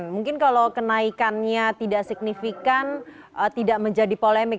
mungkin kalau kenaikannya tidak signifikan tidak menjadi polemik